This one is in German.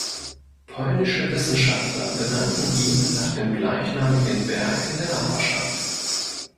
Polnische Wissenschaftler benannten ihn nach dem gleichnamigen Berg in der Nachbarschaft.